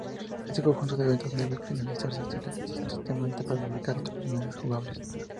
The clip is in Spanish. Este conjunto de eventos debe finalizarse exitosamente para desbloquear otros personajes jugables.